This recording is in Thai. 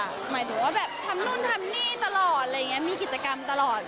หมายถึงว่าแบบทำนู่นทำนี่ตลอดอะไรอย่างนี้มีกิจกรรมตลอด